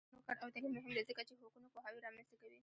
د میرمنو کار او تعلیم مهم دی ځکه چې حقونو پوهاوی رامنځته کوي.